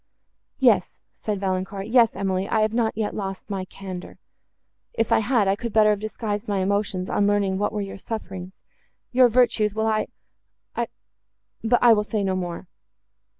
—"Yes," said Valancourt, "yes, Emily: I have not yet lost my candour: if I had, I could better have disguised my emotions, on learning what were your sufferings—your virtues, while I—I—but I will say no more.